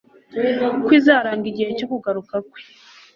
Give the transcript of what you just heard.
ko izaranga igihe cyo kugaruka kwe.